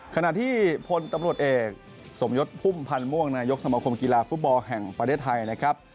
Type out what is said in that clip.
ขณะที่พลตำรวจเอกสมยศพุ่มพันธ์ม่วงนายกสมคมกีฬาฟุตบอลแห่งประเทศไทยนะครับ